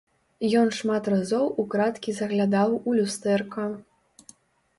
Ён шмат разоў украдкі заглядаў у люстэрка.